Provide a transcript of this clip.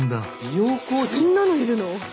そんなのいるの？